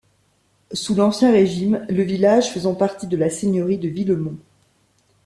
Sous l'ancien régime, le village faisant partie de la Seigneurie de Villemont.